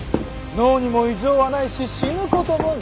脳にも異常はないし死ぬこともない。